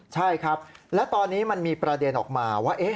ใช่ครับแล้วตอนนี้มันมีประเด็นออกมาว่า